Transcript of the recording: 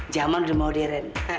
zaman udah modern